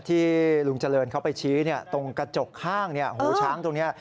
ที่ลุงเจริญเขาไปชี้ตรงกระจกข้างหูช้างตรงนี้